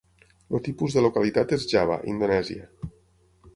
El tipus de localitat és Java, Indonèsia.